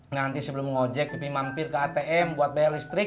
nanti sebelum mengojek pipi mampir ke atm buat bayar listrik